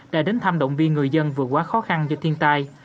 đã đến thăm động viên người dân vừa quá khó khăn do thiên tai